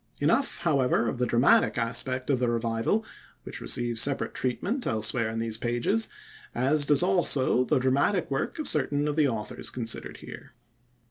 Enough, however, of the dramatic aspect of the Revival, which receives separate treatment elsewhere in these pages, as does also the dramatic work of certain of the authors considered here.